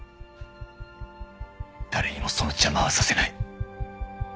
誰にもその邪魔はさせない。